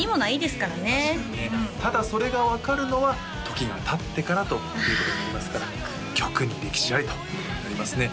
確かにねただそれが分かるのは時がたってからということになりますから曲に歴史ありということになりますね